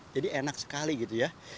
jadi enak sekali gitu ya